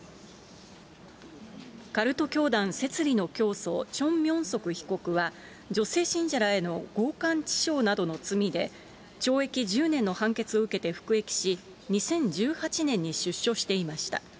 カルト教団、摂理の教祖、チョン・ミョンソク被告は、女性信者らへの強かん致傷などの罪で、懲役１０年の判決を受けて服役し、２０１８年に出所していました。